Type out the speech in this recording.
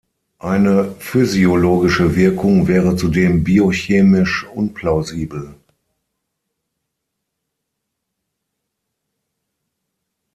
Eine physiologische Wirkung wäre zudem biochemisch unplausibel.